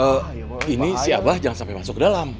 eh ini si abah jangan sampai masuk ke dalam